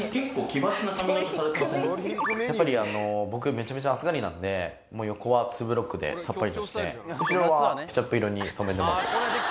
やっぱり僕めちゃめちゃ暑がりなんでもう横はツーブロックでさっぱりさせて後ろはケチャップ色に染めてます。